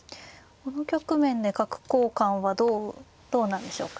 この局面で角交換はどうなんでしょうか。